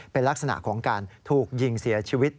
เป็นลักษณะของการถูกยิงเสียชีวิต